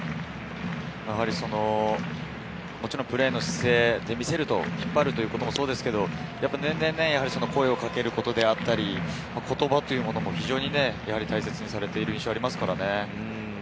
もちろんプレーの姿勢で見せる、引っ張るということもそうですが、年々、声を掛けることだったり、言葉というものも非常に大切にされている印象はありますからね。